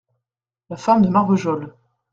La femme de Marvejol.